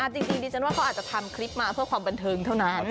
จริงดิฉันว่าเขาอาจจะทำคลิปมาเพื่อความบันเทิงเท่านั้น